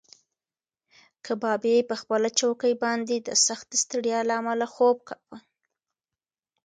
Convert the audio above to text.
کبابي په خپله چوکۍ باندې د سختې ستړیا له امله خوب کاوه.